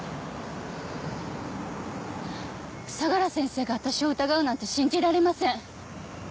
相良先生が私を疑うなんて信じられません。